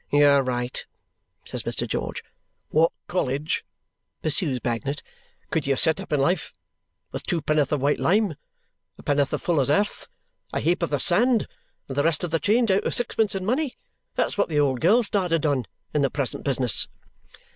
"You are right," says Mr. George. "What college," pursues Bagnet, "could you set up in life with two penn'orth of white lime a penn'orth of fuller's earth a ha'porth of sand and the rest of the change out of sixpence in money? That's what the old girl started on. In the present business."